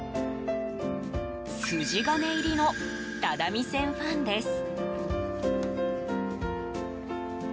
筋金入りの只見線ファンです。